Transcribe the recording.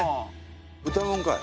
豚まんかい。